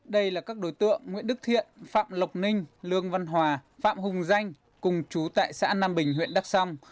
đây là các đối tượng nguyễn đức thiện phạm lộc ninh lương văn hòa phạm hùng danh cùng chú tại xã nam bình huyện đắk song